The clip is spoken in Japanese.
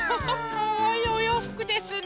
かわいいおようふくですね。